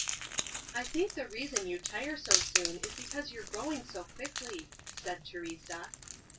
"I think the reason you tire so soon is because you're growing so quickly," said Teresa.